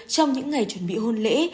trong những ngày chuẩn bị hôn lễ